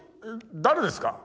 誰ですか？